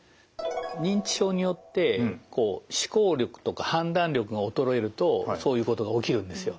認知症によって思考力とか判断力が衰えるとそういうことが起きるんですよ。